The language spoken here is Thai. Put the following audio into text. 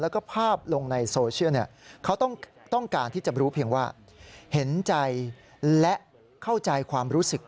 เขาต้องการที่จะรู้เพียงว่าเห็นใจและเข้าใจความรู้สึก